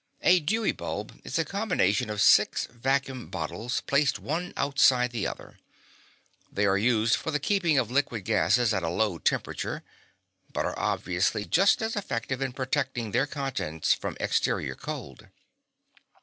A Dewey bulb is a combination of six vacuum bottles placed one outside the other. They are used for the keeping of liquid gases at a low temperature, but are obviously just as effective in protecting their contents from exterior cold.